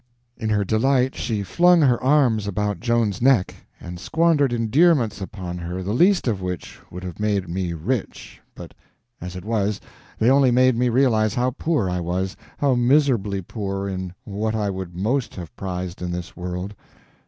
In her delight she flung her arms about Joan's neck and squandered endearments upon her the least of which would have made me rich, but, as it was, they only made me realize how poor I was—how miserably poor in what I would most have prized in this world.